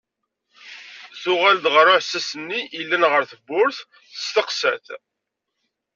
Tuɣal-d ɣer uɛessas-nni yellan ɣer tewwurt, testeqsa-t.